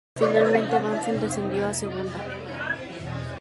Finalmente Banfield descendió a Segunda.